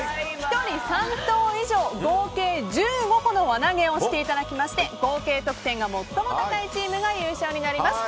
１人３投以上合計１５個の輪投げをしていただきまして合計得点が最も高いチームが優勝となります。